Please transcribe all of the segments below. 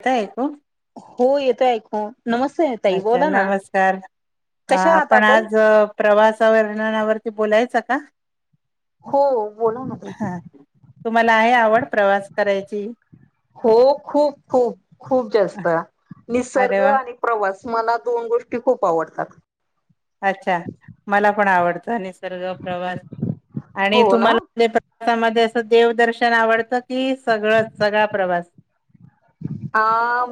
अता येतो. हो येतोय ऐकु. अच्छा नमस्कार कशा आहात आपण आज प्रवासवरणावरती बोलायचं का? हो बोला ना ताई. हा तुम्हाला आहे आवड प्रवास करायची. हो खूप खूप खूप जास्त अरे निसर्ग वा! आणि प्रवास- मला दोन गोष्टी खूप आवडतात अच्छा मला पण आवडतं आणि- सर्व प्रवास आणि हो ना तुम्हाला- प्रवासामध्ये असं देवदर्शन आवडतं की सगळंच सगळा प्रवास अ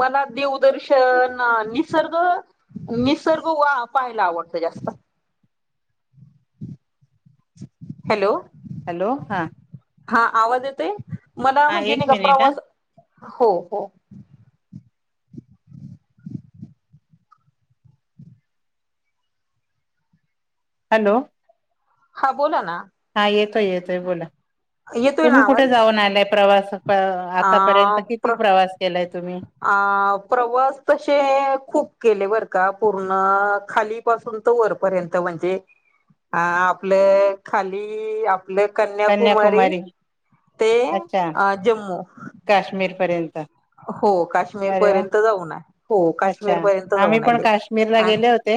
मला देवदर्शन निसर्ग- निसर्ग वा पाहायला आवडत जास्त- हॅलो हॅलो हा हा आवाज येतोय मला हा म्हणजे एक नाही मिनिट हा. प्रवास वा हो हो हॅलो हा बोला ना हा येतोय येतोय बोला येतोय तुम्ही ना कुठे आवाज? जाऊन आलाय प्रवास? आतापर्यंत अ प्र किती प्रवास केलाय? तुम्ही? अ प्रवास तसे खूप केले वरती- का पूर्ण खाली पासून तर वरपर्यंत म्हणजे- अ आपलं खाली- आपले कन्याकुमारी ते अच्छा जम्मु काश्मीर पर्यंत- हो काश्मीर अरे वा! पर्यंत जाऊन आले. हो अच्छा काश्मीर पर्यंत आम्ही जाऊन पण काश्मीरला आणि गेले होते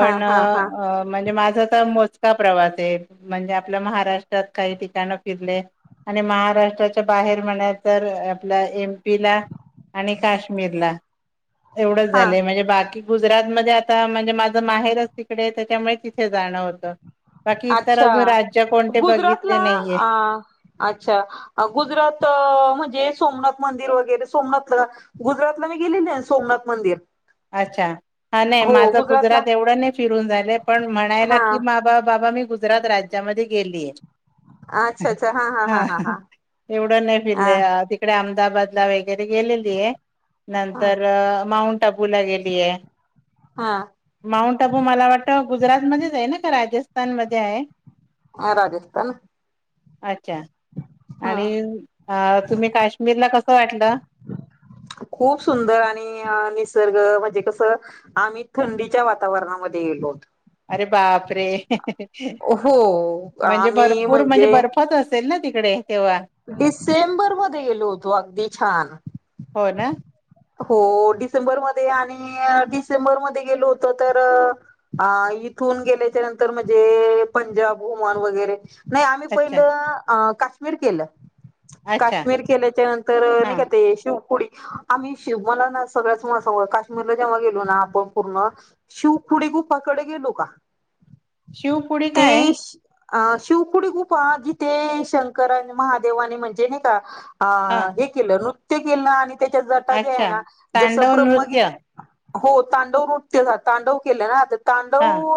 हा हा हा म्हणजे माझ - मोजका प्रवास आहे म्हणजे आपल्या महाराष्ट्रात काही ठिकाण फिरले? आणि महाराष्ट्राच्या बाहेर म्हणा तर आपल्या एम- युपी ला आणि काश्मीर ला. एवढंच हा झालंय म्हणजे बाकी- गुजरात मध्ये आता म्हणजे माझं माहेरच तिकडे त्याच्यामुळे तिथे जाणं होतं. बाकी इतर अच्छा अजून राज्य. कोणते बघितले गुजरातला नाहीये अच्छा गुजरात म्हणजे सोमनाथ- मंदिर वगैरे सोमनाथला गुजरातला मी गेलेले सोमनाथ मंदिर. अच्छा हा नाही हो माझं गुजरातला गुजरात एवढं नाही फिरून झालं पण म्हणायला हा की मा बा बाबा मी. गुजरात राज्यामध्ये गेलीय. हा एवढं नाही फिरले तिकडे आम- अहमदाबाद ला वगैरे गेलेली आहे, हा नंतर माऊंट आबूला गेलीये. हा माऊंट आबू मला वाटत गुजरात मध्येच आहे ना का? राजस्थान मध्ये आहे. अ राजस्थान. अच्छा! अच्छा! आणि हम्म अ तुम्ही काश्मीरला कसं वाटलं? खूप सुंदर आणि निसर्ग म्हणजे कसं आम्ही थंडीच्या वातावरणामध्ये गेलोत. अरे! बाप रे हो म्हणजे आम्ही भरपूर म्हणजे, बर्फच असेल ना त डिसेंबर मध्ये गेलो होतो, अगदी छान! हो ना हो डिसेंबरमध्ये आणि डिसेंबरमध्ये गेलो होतो तर अ इथून गेल्याच्या नंतर म्हणजे पंजाब ओमान वगैरे. नाही आम्ही अच्छा पहिलं काश्मीर केलं. अच्छा काश्मीर केल्याच्या नंतर नाही, हा का ते शिवपुडी. आम्ही शिव मला ना सगळ्याच मण सळं काश्मीरला जेव्हा गेलो ना, आपण पूर्ण शिव पुढे गूप कडे गेलो का? शिव पुढे ते काय? अ शिवकुडी गूपा जिथे शंकरा महादेवाने म्हणजे नाही का? हा ह हे केलं नृत्य केलं ना आणि त्याच्या जटा जे आहे अच्छा ना जसं तांडव ब्रम्हगीत नृत्य हो, तांडव नृत्य तांडव केले ना आता हा तांडव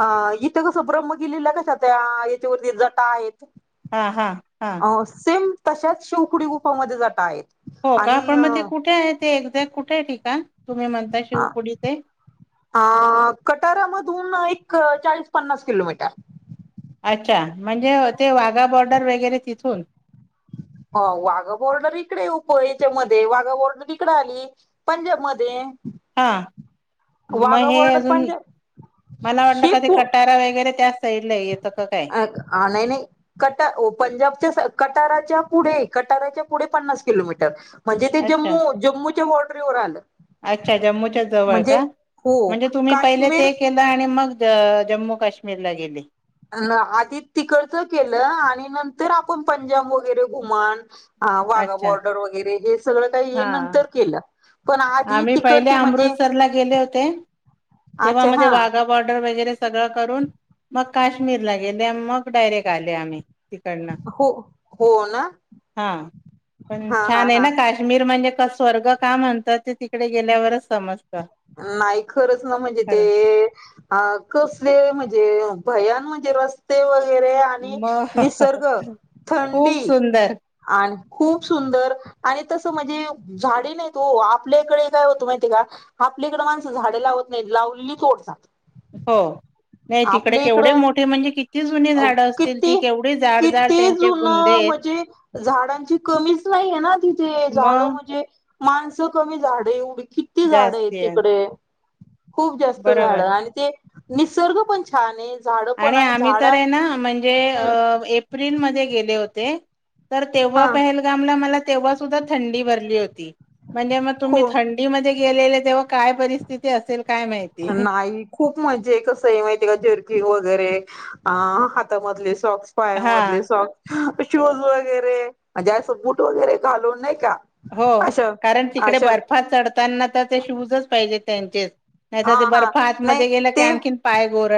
अ इथे कसं ब्रम्ह गिलेलं कशा त्या याच्यावरती जटा आहेत. हा हा हा. अ सेम तशाच शेवकुडी गुफामध्ये जाता आहेत.. हो का, आणि पण मग ते कुठे आहे ते एक्झॅक्ट कुठे आहे ठिकाण? तुम्ही म्हणता हा शिवपुरी ते अ कटारामधून एक. चाळीस पन्नास किलोमीटर. अच्छा! म्हणजे ते वाघा बॉर्डर वगैरे तिथून. ह वाघा बर्डर इकडे उप याच्या मध्ये वाघा बोर्डर इकड आली पंजाब मध्ये. हा. मग हे बॉर्डर अजून पंजाब मला वाटलं ही का ते कटारा वगैरे त्या साईडला येतं का काय अ नाही-नाही कट पंजाबच्या कटारात पुढे कटारच्या पुढे पन्नास किलोमीटर, म्हणजे ते अच्छा जम्मू जम्मूच्या बॉर्डरीवर आलं. अच्छा जम्मूच्या जवळ म्हणजे का हो म्हणजे तुम्ही पहिले काश्मीर ते केलं आणि मग जम्मू काश्मीरला गेली. आधी तिकडचं केलं आणि नंतर आपण पंजाब वगैरे घुमन हा वाघा अच्छा बॉर्डर वगैरे, हे सगळं काही ये हां नंतर केलं. पण आधी आम्ही पहिले तिकडचे म्हणजे अमृतसरला गेले होते, तेव्हा अच्छा म ते हा वाघा बॉर्डर वगैरे सगळं करून मग काश्मीरला गेले, मग डायरेक्ट आले आम्ही. तिकडन हो हो ना हा पण हा हा छान आहे हा ना काश्मीर म्हणजे ते स्वर्ग का म्हणतात ते तिकडे गेल्यावरच समजतं. नाही खरच ना म्हणजे खरं ते अ कसले म्हणजे ते भयान म्हणजे रस्ते व गैरे आणि मग निसर्ग, खूप थंडी सुंदर आणि खूप सुंदर आणि तसं म्हणजे झाडे नाहीत ओ आपल्या ईकडे काय होतो माहितीय का? आपल्याकडं माणसं झाडें लावत नाहीत लावलेली तोडतात. हो. नाही तिकडे आपल्या केवढे इकडं मोठे म्हणजे किती जुने अ झाड असतील ती किती केवढी जाड जाड किती त्यांचे जुन बुंदे आहेत म्हणजे झाडांची कमीच नाहीये ना तिथे झाडं मग म्हणजे माणसं कमी झाड एवढी किती झाडं आहे जास्ती आहेत तिकडे. खूप जास्त झाड बरोबर आणि ते निसर्ग पण छान आहे, झाडं पण आणि आम्ही झाड तर आहे म्हणजे एप्रिल मध्ये गेले होते. तर तेव्हा हा पहेलगामला मला तेव्हा सुद्धा थंडी भरली होती. म्हणजे मग तुम्ही हो थंडीमध्ये गेलेले तेव्हा काय परिस्थिती असेल काय माहिती नाही खूप मजे कसंय माहिती आहे का? जर्कीन वगैरे आ हातामधले सॉक्स, हा पायामधले सॉक्स शूज वगैरे म्हणजे, असं बूट वगैरे घालून नाही का? हो अशा कारण तिकडे अशा बर्फात चढताना, तर ते शूजच पाहिजे त्यांचे नाही हा तर ते हा बर्फ नाही आतमध्ये गेलं की, ते आणखीन पाय गोर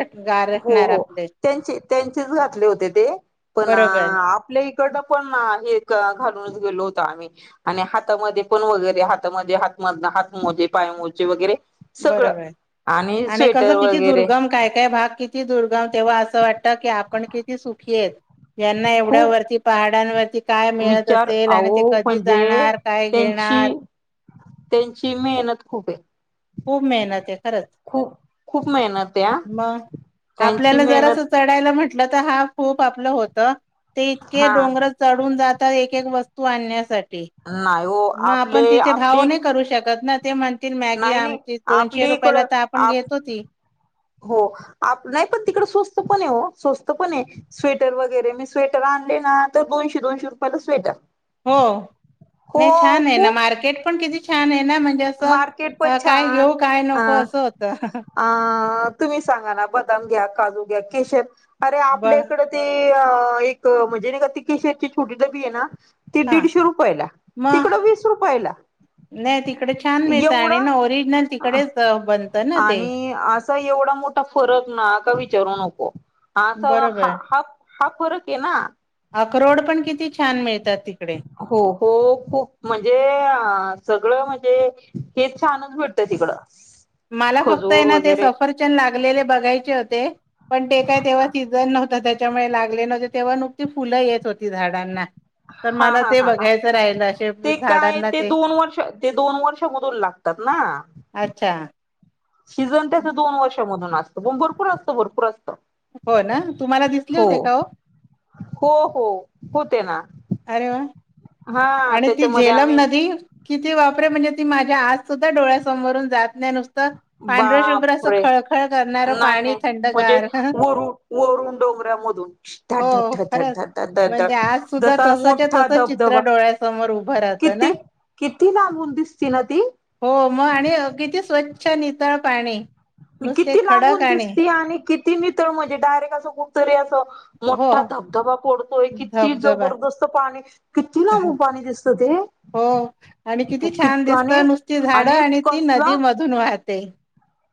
हो हो, त्यांचे त्यांचेच घातले होते ते, पण बरोबर आपले इकड पण हे घालून गेलो होतो आम्ही आणि हातामध्ये पण वगैरे हातामध्ये हात मदनं हात मोजे, पाय मोजे वगैरे सगळं बरोबर आणि स्वेटर कसं किती वगैरे दुर्गम काय भाग ग किती दुर्गम तेव्हा असं वाटतं की, आपण किती सुखी हायेत? यांना एवढ्या खूप वरती पहाडांवरती काय मिळत विचार असेल आणि ते कधी जाणार, काय घेणार ची, त्यांची मेहनत खूप आहे. खूप मेहनत ए. खरच, खूप खूप मेहनत आहे मग त्यांची आपल्याला जरासं मेहनत चढायला म्हंट ल, तर हा खूप आपलं होतं, ते इतके हा डोंगर चढून जात त्या एक एक वस्तू आणण्यासाठी, नाही हो मग आपण आपले तिथे भाव आपली नाही करू शकत ना. ते म्हणतील, मॅगी नाही नाही आमची दोनशे आपली रुपयाला इकडं तर, आपण आप घेतो ती हो आ नाही पण, तिकडं स्वस्त पण हाय ओ. स्वस्त पण हाय, स्वेटर वगैरे मी स्वेटर आणले ना, तर दोनशे, दोनशे रुपयाला स्वेटर. हो हो नाही, छान आहे ना खूप मार्केट, पण किती छान आहे ना? म्हणजे असं मार्केट पण काय घेऊ, छान काय अ नको असं होतं. अ तुम्ही सांगा ना, बदाम घ्या काजू घ्या केशर अरे! बर आपल्याकडे ते एक म्हणजे नाही, का केशरची ती छोटी डबी ये ना. ती हा. दीडशे रुपयला मग तिकडं वीस रुपयला. नाही तिकडे छान मिळतं एवढा आणि ना ओरिजनल तिकडेच अ, बनतं ना ते. आणि असा एवढा मोठा फरक नाही. हा का विचारू नको, हा बरोबर. हा हा फरक आहे ना. अक्रोड पण किती छान! मिळतात ते हो हो खूप म्हणजे अ सगळं म्हणजे हेच छानच भेटतं तिकडं. मला फक्त आहे खजूर ना, ते वगैरे सफरचंद लागलेले बघायचे होते. पण ते काय तेव्हा सीझन नव्हतं, त्याच्यामुळे लागले नव्हते तेव्हा नुकती फुलं येत होती झाडांना. तर हा मला हा ते हा हा बघायचं राहिलं असे ते काय, झाडांना ते दोन वर्ष ते दोन वर्ष मधून लाग तात ना. अच्छा! सीजन त्याचं दोन वर्षामधून असतं पण भरपूर असतं भरपूर असतं. हो ना, तुम्हाला दिसले होते का हो? हो हो होते ना. अरे! वा हा आणि ती त्याच्यामध्ये झेलम आम्ही नदी किती बापरे! म्हणजे ती माझ्या आज सुद्धा डोळ्या समोरून जात नुसतं पांढरं शुभ्र असं बापरे खळखळ करणारं नाही पाणी नाही म्हणजे थंडगार. वरून वरून डोंगरामधून धड हो धड धड खरंच धड धड धड धड म्हणजे धड आज सुद्धा जसा तसं च्या मोठा तसं चित्र धबधबा डोळ्यास समोर उभ राहतं ना किती किती लांबून दिसती ना ती हो, मग आणि कि स्वच्छ नितळ पाणी. नुसते किती खडक लांबून दिसती आणि किती नितळ म्हणजे, डायरेक्ट असं कुठतरी असं हो मोठा धबधबा होय. किती धबधबा जबरदस्त पाणी किती लांबून पाणी दिसतं. ते हो आणि किती छान कित आणि दिसतं नुसती झाडं आणि ती नदी मधून वाहते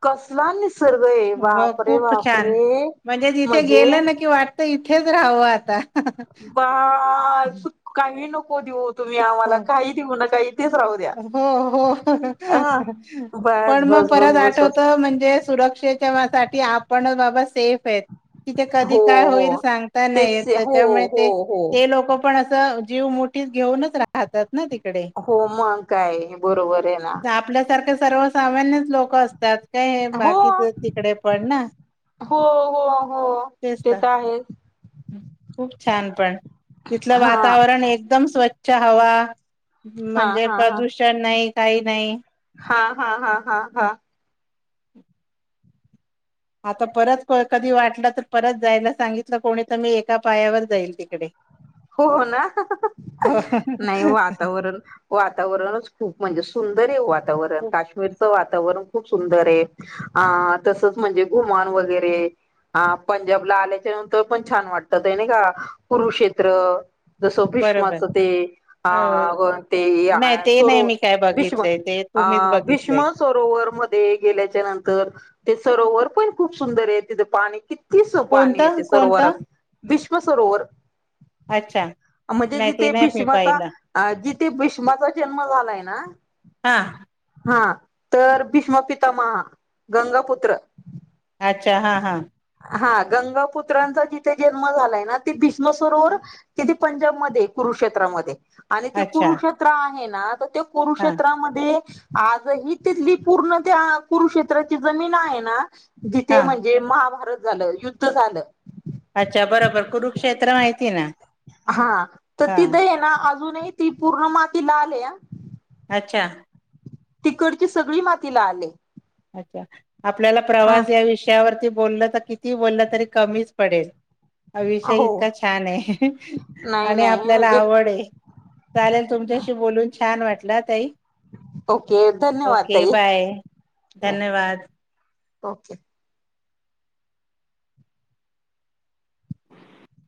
कसला निसर्ग आहे [unintelligible] ब बापरे खूप छान बापरे म्हणजे तिथे म्हणजे गेलं ना कि वाट तर इथेच राहावं आता बा काही नको देऊत. तुम्ही आम्हाला हो काही ठऊ नका इथेच राहू द्या हो हो अ बस पण बस.. बस परत बस बस आठवत म्हणजे सुरक्षेच्या साठी आपणच बाबा सेफ आहेत.. तिथे कधी हो काय हो होईल सांगता नाही तेच हो त्याच्यामुळे हो ते हो ते लोक पण अस... जीव मोठी घेऊनच राहतात.. ना तिकडे. हो मग काय बरोबर आहे ना.. सारख सर्वसामान्यच लोक असतात काय हो बाकीच तिकडे पण ना.. हो हो हो ते तर आहे.. खूप छान पण तिथलं हा वातावरण एकदम स्वच्छ हवा... हा म्हणजे हा हा प्रदूषण नाही काही नाही.... हा हा हा हा हा. आता परत कधी वाटलं तर परत जायला सांगितलं कोणी तर मी एका पायावर जाईल तिकडे... हो ना हो नाही वातावरण वातावरणच खूप म्हणजे सुंद... वातावरण काश्मीरचं.. वातावरण खूप सुंदर आहे अ तसच म्हणजे घुमान वगैरे. हा पंजाबला आल्याच्या नंतर पण छान वाटत आहे ना का कुरुक्षेत्र. जसं बरोबर भ्रीष्माचं ते अ अग ते नाही ते नाही सरो मी काय भीषम. बघितलंय ते अ तुम्हीच बघितलंय भीष्म सरोवर मध्ये गेल्याच्या नंतर ते सरोवर पण खूप सुंदर आहे तिथे पाणी किती पाणी कोणतं येते कोणतं सरोवरात वि सरोवर अच्छा म्हणजे नाही ते जिथे नाही मी भीष्माचा पाहिलं जि ते भीष्माचा जन्म झालाय ना... हां! हा तर भीष्मपितमा गंगापुत्र! अच्छा हा हा! हा गंगा पुुत्रांचा जिथे जन्म झालाय ना त भीष्मसरोवर तिथे पंजाबमध्ये कु... करुक्षेत्रामध्ये आणि ते अच्छा कुरुक्षेत्र आहे ना तर ते हा कुरुक्षेत्रामध्ये.. आजही तिथली पूर्ण त्या करुक्षेत्राची जमीन आहे ना.. हा ते म्हणजे महाभारत झालं युद्ध झालं... अच्छा बरोबर कुरुक्षेत्र माहिती आहे ना.. हा तर हा ती तेथे हे ना अजूनही ती पूर्ण मातीला लाल.. अच्या तिकडची सगळी मातीला लाल हे. अच्छा आपल्याला प्रवास या विषयावरती बोललं तर किती बोललं तरी कमीच पडेल.. अ विषय हो इतका छान आहे नाही आणि नाही आपल्याला म्हणजे आवड आहे... चालेल तुमच्याशी बोलून छान वाटला तई... ओके धन्यवाद ओके ताई बाय बाय धन्यवाद ओके.. [unintelligible]